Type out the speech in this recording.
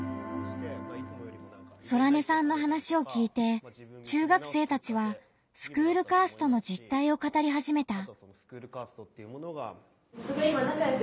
ソラネさんの話を聞いて中学生たちはスクールカーストの実態を語り始めた。